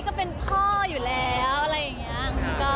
ก็เป็นพ่ออยู่แล้วอะไรอย่างนี้